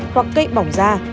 hoặc cây bỏng ra